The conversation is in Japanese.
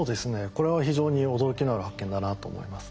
これは非常に驚きのある発見だなと思います。